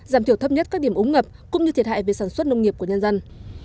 giảm thiểu thấp nhất các điểm ống ngập cũng như thiệt hại về sản xuất nông nghiệp của nhân dân